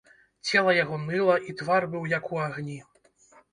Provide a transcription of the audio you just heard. Цела яго ныла, і твар быў як у агні.